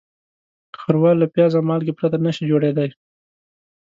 ښوروا له پیاز او مالګې پرته نهشي جوړېدای.